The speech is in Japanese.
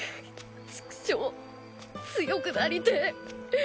チクショー強くなりてえ。